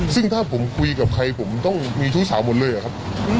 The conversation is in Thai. ซึ่งถ้าผมคุยกับใครผมต้องมีชู้สาวหมดเลยอะครับ